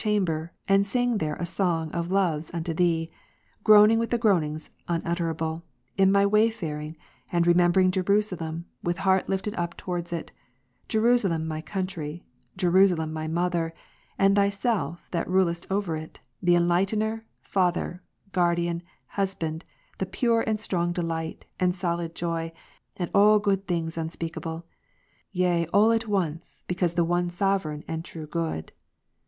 2G, chamber^ and sing there a song of loves unto Thee ; groaning "" ivith groaning s unutterable, in my wayfaring, and remember Rom. ing Jerusalem, with heart lifted up towards it, Jerusalem my ' country, Jerusalem my mother, and Thyself that rulest over it, the Enlightener, Father, Guardian, Husband, the pure i and strong delight and solid joy, and all good things unspeak / able, yea all at once, because the One Sovereign and true Good.